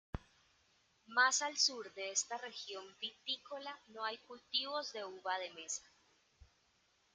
Más al sur de esta región vitícola no hay cultivos de uva de mesa.